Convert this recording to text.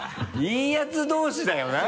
いいやつ同士だよね。